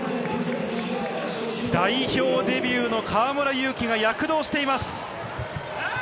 代表デビューの河村勇輝が躍動しています！